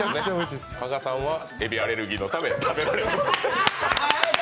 加賀さんは、えびアレルギーのため、食べられません。